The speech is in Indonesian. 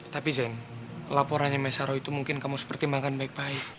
tapi zen laporannya mai saroh itu mungkin kamu seperti makan baik baik